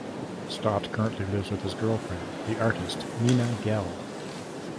Stott currently lives with his girlfriend, the artist Nina Gehl.